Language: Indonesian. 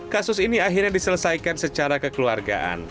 kasus ini akhirnya diselesaikan secara kekeluargaan